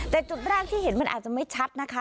แต่จุดแรกที่เห็นมันอาจจะไม่ชัดนะคะ